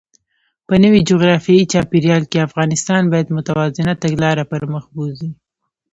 په نوي جغرافیايي چاپېریال کې، افغانستان باید متوازنه تګلاره پرمخ بوځي.